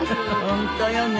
本当よね。